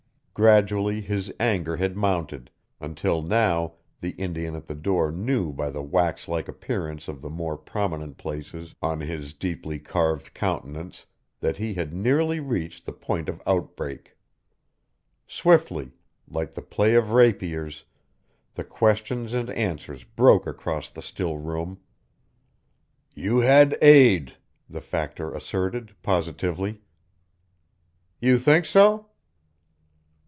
Gradually his anger had mounted, until now the Indian at the door knew by the wax like appearance of the more prominent places on his deeply carved countenance that he had nearly reached the point of outbreak. Swiftly, like the play of rapiers, the questions and answers broke across the still room. "You had aid," the Factor asserted, positively. "You think so?"